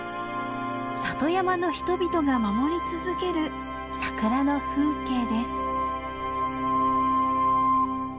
里山の人々が守り続けるサクラの風景です。